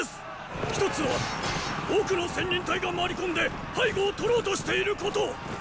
一つは奥の千人隊が回り込んで背後を取ろうとしていること！